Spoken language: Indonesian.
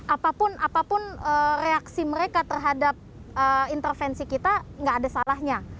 apapun reaksi mereka terhadap intervensi kita tidak ada salahnya